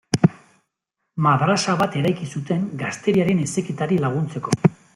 Madrasa bat eraiki zuten gazteriaren heziketari laguntzeko.